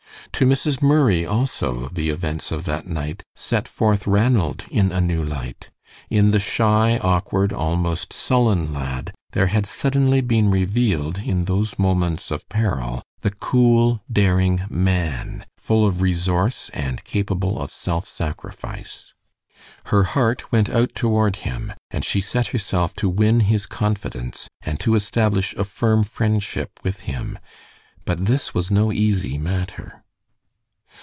To Mrs. Murray also the events of that night set forth Ranald in a new light. In the shy, awkward, almost sullen lad there had suddenly been revealed in those moments of peril the cool, daring man, full of resource and capable of self sacrifice. Her heart went out toward him, and she set herself to win his confidence and to establish a firm friendship with him; but this was no easy matter.